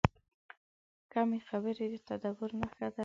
کمې خبرې، د تدبیر نښه ده.